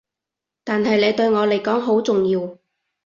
但係你對我嚟講好重要